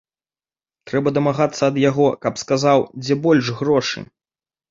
Трэба дамагацца ад яго, каб сказаў, дзе больш грошы.